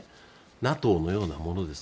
ＮＡＴＯのようなものです。